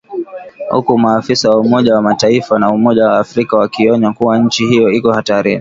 Huku maafisa wa Umoja wa Mataifa na Umoja wa Afrika wakionya kuwa nchi hiyo iko hatarini.